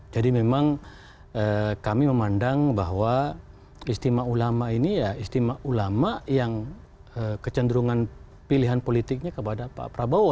jadi memang kami memandang bahwa istimewa ulama ini ya istimewa ulama yang kecenderungan pilihan politiknya kepada pak prabowo